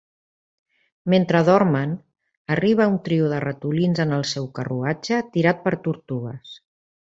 Mentre dormen, arriba un trio de ratolins en el seu carruatge tirat per tortugues.